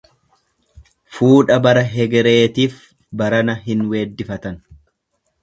Fuudha bara hegereetif barana hin weeddifatan.